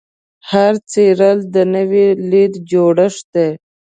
هر څیرل د نوې لید جوړښت دی.